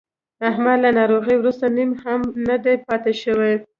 احمد له ناروغۍ ورسته نیم هم نه دی پاتې شوی.